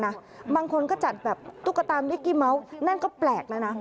บางคนก็จัดแบบตุ๊กตานิกกี้เมาส์นั่นก็แปลกแล้วนะ